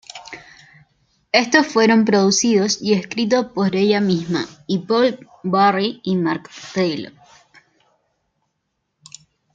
Estos fueron producidos y escritos por ella misma y Paul Barry y Mark Taylor.